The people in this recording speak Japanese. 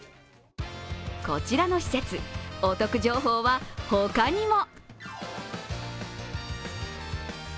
こちらの施設、お得情報は他にも。